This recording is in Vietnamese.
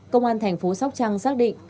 công an thành phố sóc trăng xác định